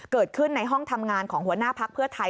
เกิดขึ้นในห้องทำงานของหัวหน้าพักเพื่อไทย